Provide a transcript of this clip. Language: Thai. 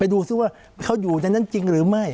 ดูซิว่าเขาอยู่ในนั้นจริงหรือไม่